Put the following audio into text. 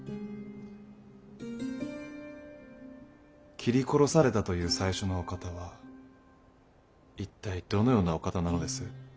斬り殺されたという最初のお方は一体どのようなお方なのです？